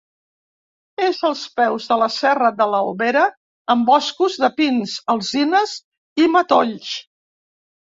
És als peus de la serra de l'Albera, amb boscos de pins, alzines i matolls.